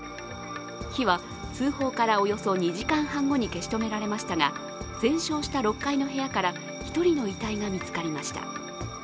火は、通報からおよそ２時間半後に消し止められましたが全焼した６階の部屋から１人の遺体が見つかりました。